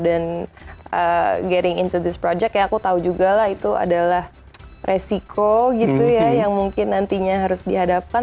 dan masuk ke proyek ini ya aku tahu juga lah itu adalah resiko gitu ya yang mungkin nantinya harus dihadapkan